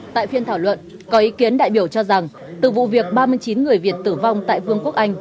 tại phiên thảo luận có ý kiến đại biểu cho rằng từ vụ việc ba mươi chín người việt tử vong tại vương quốc anh